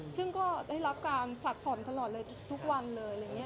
ซึ่งก็ได้รับการผลักผ่อนตลอดเลยทุกวันเลย